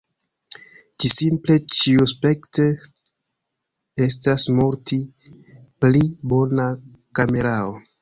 Ĝi simple ĉiuaspekte estas multi pli bona kamerao.